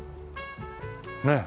ねえ。